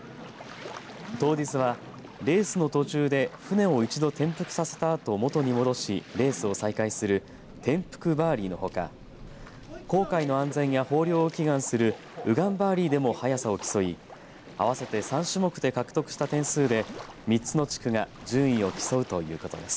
当日はレースの途中で船を一度転覆させたあと元に戻しレースを再開する転覆バーリーのほか航海の安全や豊漁を祈願する御願バーリーでも速さを競い合わせて３種目で獲得した点数で３つの地区が順位を競うということです。